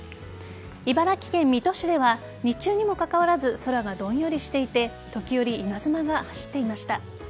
茨城県水戸市では日中にもかかわらず空がどんよりしていて時折、稲妻が走っていました。